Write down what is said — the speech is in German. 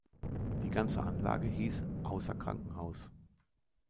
Die ganze Anlage hiess "Ausser-Krankenhaus".